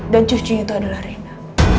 dan cucunya itu adalah rina